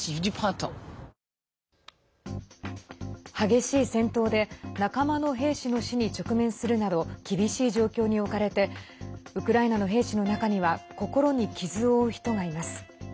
激しい戦闘で仲間の兵士の死に直面するなど厳しい状況に置かれてウクライナの兵士の中には心に傷を負う人がいます。